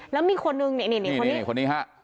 แล้วมีคนนึงนี่คนนี้ค่ะ